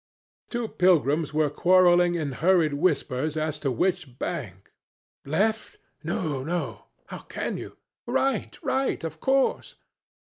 "Two pilgrims were quarreling in hurried whispers as to which bank. 'Left.' 'No, no; how can you? Right, right, of course.'